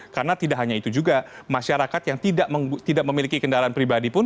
karena tidak hanya itu juga masyarakat yang tidak memiliki kendaraan pribadi pun